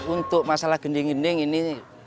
untuk masalah gending gending ini